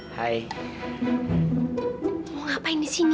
kita mau main di sini